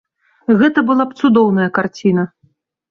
Гэта была б цудоўная карціна.